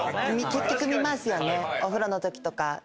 結局見ますよねお風呂のときとか。